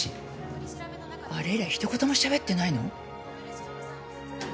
あれ以来ひと言もしゃべってないの？